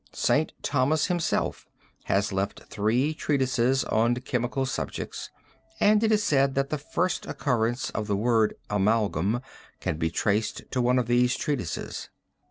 St. Thomas himself has left three treatises on chemical subjects and it is said that the first occurrence of the word amalgam can be traced to one of these treatises.